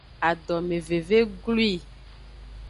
Adomeveve glwi.